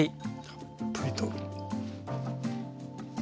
たっぷりと。